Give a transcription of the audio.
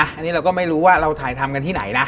อันนี้เราก็ไม่รู้ว่าเราถ่ายทำกันที่ไหนนะ